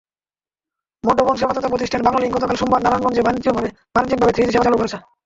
মুঠোফোন সেবাদাতা প্রতিষ্ঠান বাংলালিংক গতকাল সোমবার নারায়ণগঞ্জে বাণিজ্যিকভাবে থ্রিজি সেবা চালু করেছে।